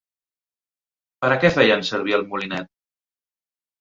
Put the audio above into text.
Per a què feien servir el molinet?